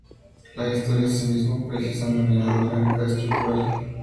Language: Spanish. Las historias, así mismo, precisan de unidad orgánica y estructural.